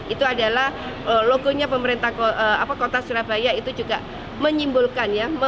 itu adalah logonya pemerintah kota surabaya itu juga menyimpulkan ya